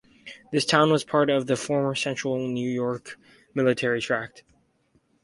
The town was part of the former Central New York Military Tract.